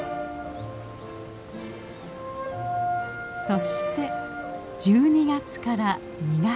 そして１２月から２月。